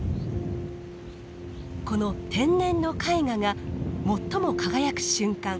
この天然の絵画が最も輝く瞬間。